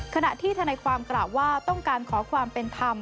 ขณะที่ทนายความกล่าวว่าต้องการขอความเป็นธรรม